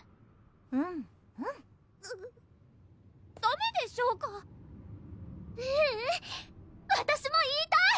うんうんダメでしょうかううんわたしも言いたい！